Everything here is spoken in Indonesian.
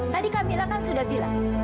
tadi camilla kan sudah bilang